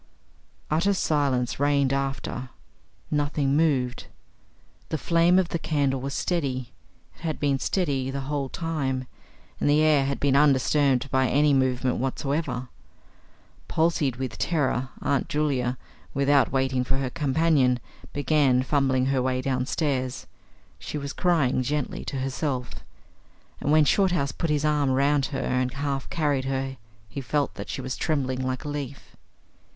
Utter silence reigned after. Nothing moved. The flame of the candle was steady. It had been steady the whole time, and the air had been undisturbed by any movement whatsoever. Palsied with terror, Aunt Julia, without waiting for her companion, began fumbling her way downstairs; she was crying gently to herself, and when Shorthouse put his arm round her and half carried her he felt that she was trembling like a leaf.